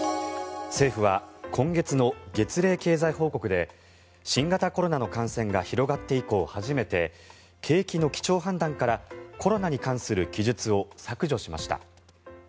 政府は今月の月例経済報告で新型コロナの感染が広がって以降初めて景気の基調判断からコロナに関する記述を削除しました。